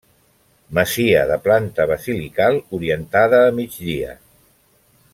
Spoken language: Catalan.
Masia de planta basilical, orientada a migdia.